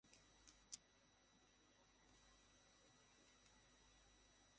আমাদের আবার ভাবতে হবে।